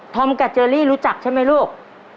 กับเจอรี่รู้จักใช่ไหมลูก